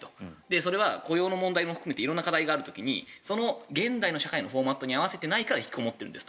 それは雇用の問題も含めて色んな課題がある時に現代の社会のフォーマットに合わせていないから引きこもっているんだと。